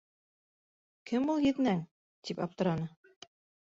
Кем ул еҙнәң? — тип аптыраны.